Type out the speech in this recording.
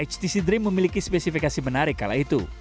htc dream memiliki spesifikasi menarik kala itu